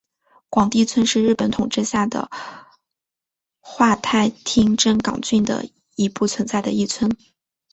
广地村是日本统治下的桦太厅真冈郡的已不存在的一村。